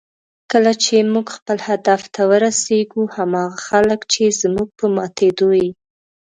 کله چې موږ خپل هدف ته ورسېږو، هماغه خلک چې زموږ په ماتېدو یې